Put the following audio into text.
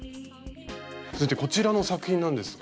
続いてこちらの作品なんですが。